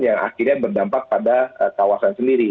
yang akhirnya berdampak pada kawasan sendiri